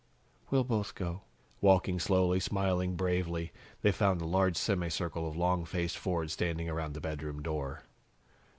"We'll both go." Walking slowly, smiling bravely, they found a large semi circle of long faced Fords standing around the bedroom door.